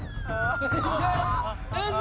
先生！